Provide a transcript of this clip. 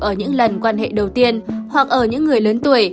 ở những lần quan hệ đầu tiên hoặc ở những người lớn tuổi